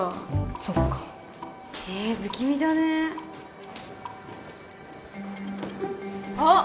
そっかえ不気味だねあっ！